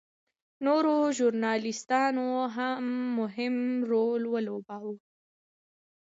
نورو ژورنالېستانو هم مهم رول ولوباوه.